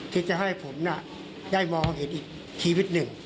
จะให้ผมได้มองเห็นอีกชีวิตหนึ่ง